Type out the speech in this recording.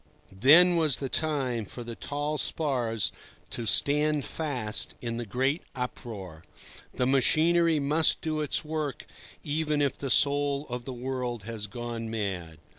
Then was the time for the tall spars to stand fast in the great uproar. The machinery must do its work even if the soul of the world has gone mad.